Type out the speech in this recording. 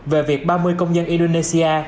về việc ba mươi công dân indonesia